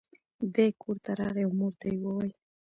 دی کور ته راغی او مور ته یې وویل.